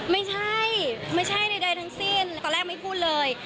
ไม่ใช่ไม่ใช่ใดทั้งสิ้นตอนแรกไม่พูดเลย